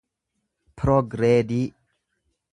piroogreedii